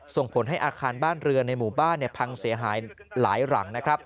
ส่งผลให้อาคารบ้านเรือในหมู่บ้านพังเสียหายหลายหลังนะครับ